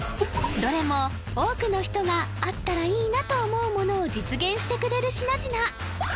どれも多くの人が「あったらいいな」と思うものを実現してくれる品々